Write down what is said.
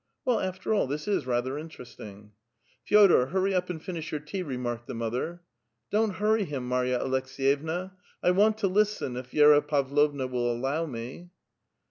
Well, after all, this is rather interesting." "' Fe6dor, hurry up and finish your tea," remarked the mother. "' Don't iuirry him, Marya Aleks^yevna; I want to listen, if Viera Pavlovna will allow me."